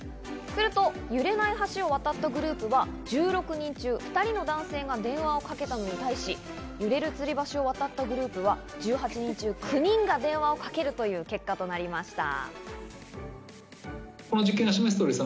すると、揺れない橋を渡ったグループは１６人中２人の男性が電話をかけたのに対し、揺れるつり橋を渡ったグループは１８人中９人が電話をかけるという結果になりました。